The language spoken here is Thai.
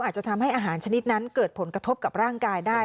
อาจจะทำให้อาหารชนิดนั้นเกิดผลกระทบกับร่างกายได้